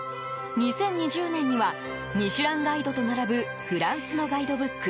２０２０年にはミシュランガイドと並ぶフランスのガイドブック